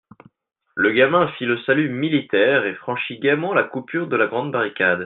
Le gamin fit le salut militaire et franchit gaîment la coupure de la grande barricade.